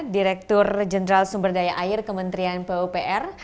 direktur jenderal sumber daya air kementerian pupr